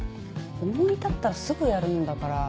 思い立ったらすぐやるんだから。